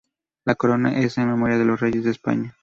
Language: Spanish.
La Corona es en memoria de los Reyes de España.